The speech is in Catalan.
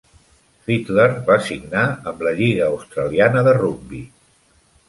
Fittler va signar amb la lliga australiana de rugbi.